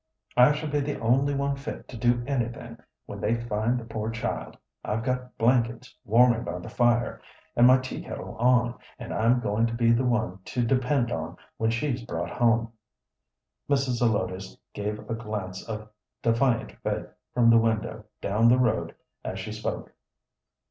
I shall be the only one fit to do anything when they find the poor child. I've got blankets warming by the fire, and my tea kettle on, and I'm going to be the one to depend on when she's brought home." Mrs. Zelotes gave a glance of defiant faith from the window down the road as she spoke.